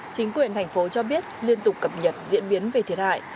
chính quyền thành phố cho biết liên tục cập nhật diễn biến về thiệt hại